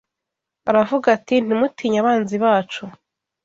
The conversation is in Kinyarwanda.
Aravuga ati ntimutinye abanzi bacu